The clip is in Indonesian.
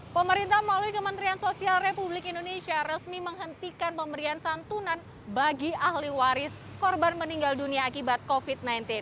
pemerintah melalui kementerian sosial republik indonesia resmi menghentikan pemberian santunan bagi ahli waris korban meninggal dunia akibat covid sembilan belas